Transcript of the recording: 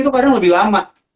itu kadang lebih lama